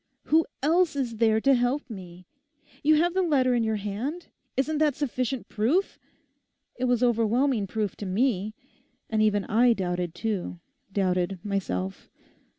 Who else is there to help me? You have the letter in your hand. Isn't that sufficient proof? It was overwhelming proof to me. And even I doubted too; doubted myself.